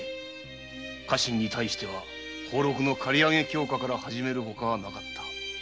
家臣には奉禄の借り上げ強化から始めるほかはなかった。